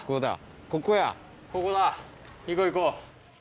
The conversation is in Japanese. ここだ行こう行こう。